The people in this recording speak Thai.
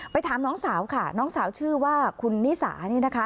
ถามน้องสาวค่ะน้องสาวชื่อว่าคุณนิสานี่นะคะ